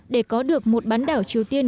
để có được một bán đảo triều tiên